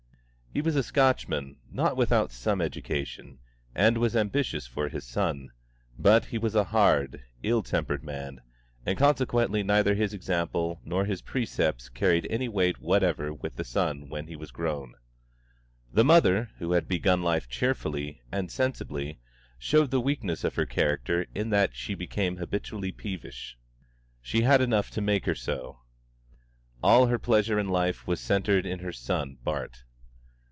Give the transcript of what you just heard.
He was a Scotchman, not without some education, and was ambitious for his son; but he was a hard, ill tempered man, and consequently neither his example nor his precepts carried any weight whatever with the son when he was grown. The mother, who had begun life cheerfully and sensibly, showed the weakness of her character in that she became habitually peevish. She had enough to make her so. All her pleasure in life was centred in her son Bart.